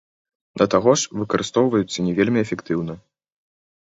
Да таго ж, выкарыстоўваюцца не вельмі эфектыўна.